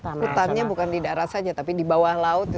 hutannya bukan di darat saja tapi di bawah laut